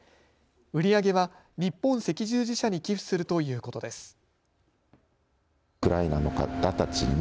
売り上げは日本赤十字社に寄付するということです。